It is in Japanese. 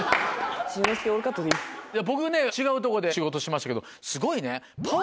僕ね違うとこで仕事しましたけどすごいね。